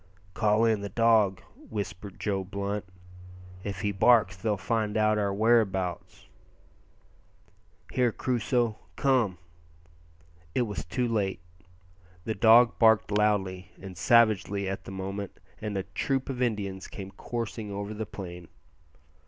"Call in the dog," whispered Joe Blunt; "if he barks they'll find out our whereabouts." "Here, Crusoe, come " It was too late; the dog barked loudly and savagely at the moment, and a troop of Indians came coursing over the plain.